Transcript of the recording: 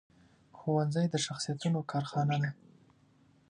ښوونځی د شخصیتونو کارخانه ده